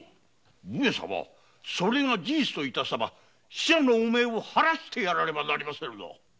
上様それが事実と致さば死者の汚名を晴らしてやらねば。